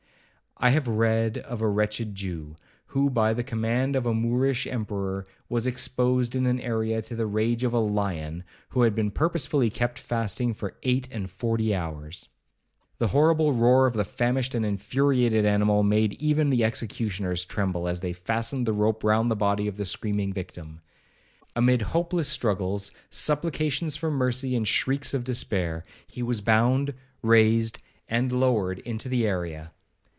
I have read of a wretched Jew,1 who, by the command of a Moorish emperor, was exposed in an area to the rage of a lion who had been purposely kept fasting for eight and forty hours. The horrible roar of the famished and infuriated animal made even the executioners tremble as they fastened the rope round the body of the screaming victim. Amid hopeless struggles, supplications for mercy, and shrieks of despair, he was bound, raised, and lowered into the area.